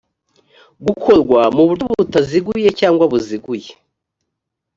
gukorwa ku buryo butaziguye cyangwa buziguye